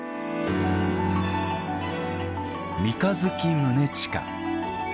「三日月宗近」。